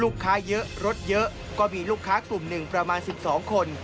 เยอะรถเยอะก็มีลูกค้ากลุ่มหนึ่งประมาณ๑๒คน